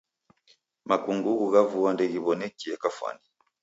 Makungughu gha vua ndeghiwonekie kafwani